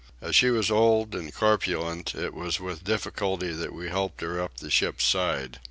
As she was old and corpulent it was with difficulty that we helped her up the ship's side.